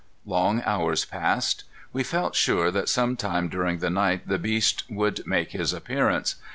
Long hours passed. We felt sure that some time during the night the beast would make his appearance.